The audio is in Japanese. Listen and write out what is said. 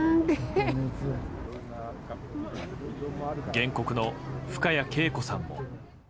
原告の深谷敬子さんも。